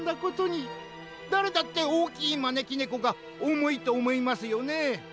だれだっておおきいまねきねこがおもいとおもいますよねえ。